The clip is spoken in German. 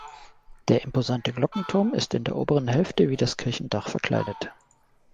Der imposante Glockenturm ist in der oberen Hälfte wie das Kirchendach verkleidet.